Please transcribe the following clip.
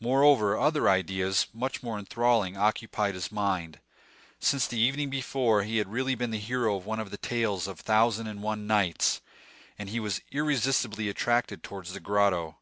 Moreover, other ideas, much more enthralling, occupied his mind. Since, the evening before, he had really been the hero of one of the tales of the Thousand and One Nights, and he was irresistibly attracted towards the grotto.